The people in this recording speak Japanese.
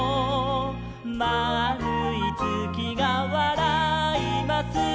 「まあるいつきがわらいます」